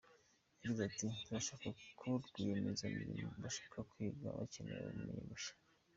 Yagize ati “Turashaka ba rwiyemezamirimo bashaka kwiga bakeneye ubumenyi bushya.